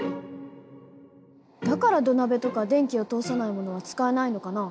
だから土鍋とか電気を通さないものは使えないのかな？